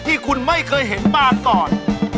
ที่คุณไม่เคยเห็นมาก่อน